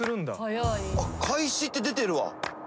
開始って出てるわ。